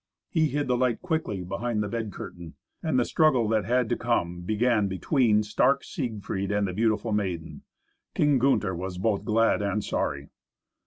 He hid the light quickly behind the bed curtain, and the struggle that had to come began between stark Siegfried and the beautiful maiden. King Gunther was both glad and sorry.